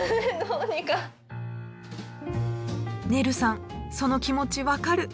ねるさんその気持ち分かる！